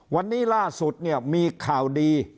วันนี้ล่าสุดเนี่ยมีข่าวดี